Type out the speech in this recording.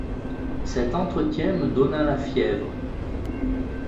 Cet entretien me donna la fièvre.